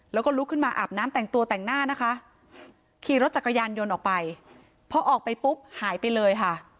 แล้วก็ลุกขึ้นมาอาบน้ำแต่งตัวแต่งหน้านะคะขี่รถจักรยานยนต์ออกไปพอออกไปปุ๊บหายไปเลยค่ะ